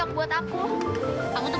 kamu yang kecil